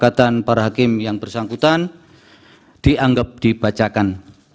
kesepakatan para hakim yang bersangkutan dianggap dibacakan